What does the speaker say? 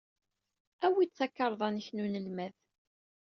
Awey-d takarḍa-nnek n unelmad!